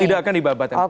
tidak akan dibabat habis